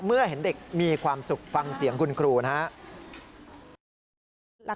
เมื่อเห็นเด็กมีความสุขฟังเสียงกลุ่นนะฮะ